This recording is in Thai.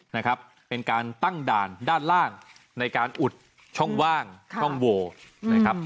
นะครับเป็นการตั้งด่านด้านล่างในการอุดช่องว่างช่องโวนะครับ